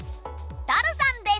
ダルさんです！